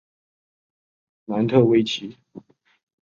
楠特威奇。